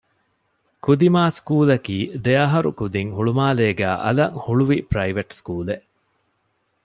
ކުދިމާ ސްކޫލަކީ ދެއަހަރު ކުދިން ހުޅުމާލޭގައި އަލަށް ހުޅުވި ޕްރައިވެޓް ސްކޫލެއް